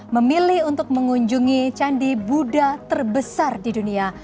memilih untuk mengunjungi candi buddha terbesar di dunia